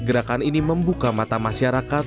gerakan ini membuka mata masyarakat